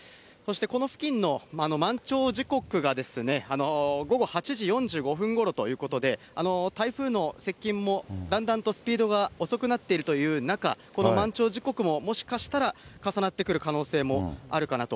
この付近の満潮時刻が午後８時４５分ごろということで、台風の接近もだんだんとスピードが遅くなっているという中、この満潮時刻も、もしかしたら重なってくる可能性もあるかなと。